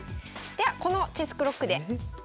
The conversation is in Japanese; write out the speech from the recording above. ではこのチェスクロックでえ